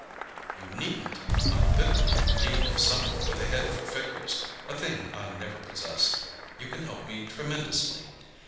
"You needn't. I'm bitterly in need of someone with a head for figures—a thing I never possessed. You can help me tremendously.